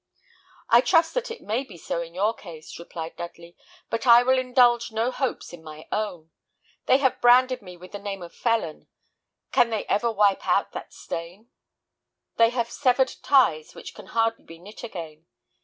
"I trust that it may be so in your case," replied Dudley, "but I will indulge no hopes in my own. They have branded me with the name of felon; can they ever wipe out that stain? They have severed ties which can hardly be knit again.